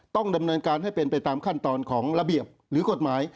ต้องดำเนินการให้เป็นไปตามขั้นตอนของระเบียบหรือกฎหมาย